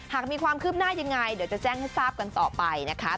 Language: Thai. หากมีความคืบหน้ายังไงเดี๋ยวจะแจ้งให้ทราบกันต่อไปนะคะ